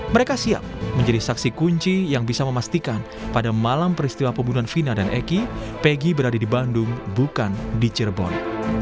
mereka siap menjadi saksi kunci yang bisa memastikan pada malam peristiwa pembunuhan vina dan eki peggy berada di bandung bukan di cirebon